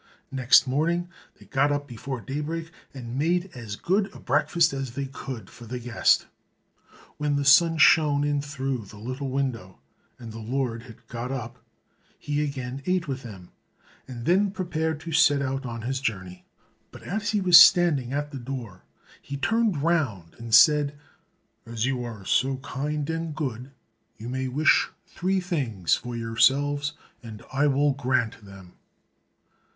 Next morning they got up before daybreak, and made as good a breakfast as they could for the guest. When the sun shone in through the little window, and the Lord had got up, he again ate with them, and then prepared to set out on his journey. But as he was standing at the door he turned round and said, "As you are so kind and good, you may wish three things for yourselves and I will grant them."